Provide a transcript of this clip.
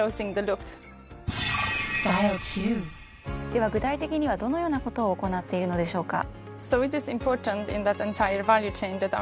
では具体的にはどのようなことを行っているのでしょうか？